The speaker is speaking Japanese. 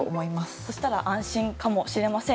そうしたら安心かもしれません。